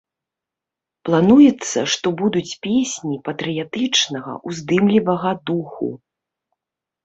Плануецца, што будуць песні патрыятычнага, уздымлівага духу.